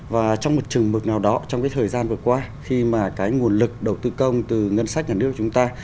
và trong một chừng mực nào đó trong cái thời gian vừa qua khi mà cái nguồn lực đầu tư công từ ngân sách nhà nước của chúng ta